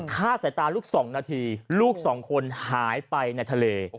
ฆ่าสายตาลูก๒นาทีลูกสองคนหายไปในทะเล